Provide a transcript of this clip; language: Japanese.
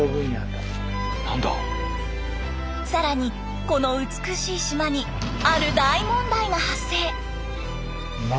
更にこの美しい島にある大問題が発生！